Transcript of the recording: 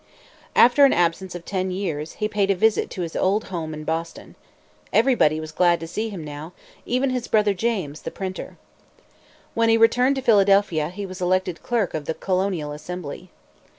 After an absence of ten years, he paid a visit to his old home in Boston. Everybody was glad to see him now, even his brother James, the printer. When he returned to Philadelphia, he was elected clerk of the colonial assembly.